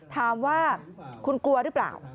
ถามว่าคุณกลัวหรือเปล่า